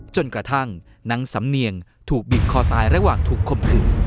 จนกระทั่งนางสำเนียงถูกบีบคอตายระหว่างถูกคมขืน